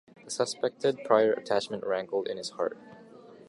The suspected prior attachment rankled in his heart.